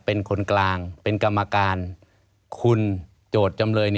เป็นคนกลางเป็นกรรมการคุณโจทย์จำเลย